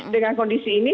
dengan kondisi ini